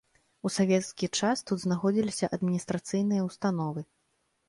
У савецкі час тут знаходзіліся адміністрацыйныя ўстановы.